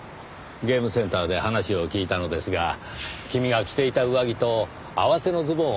ゲームセンターで話を聞いたのですが君が着ていた上着と合わせのズボンをはいていましたのでね